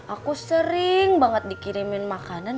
aku sering banget dikirimin makanan